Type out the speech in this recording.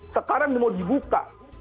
sekarang mau dibuka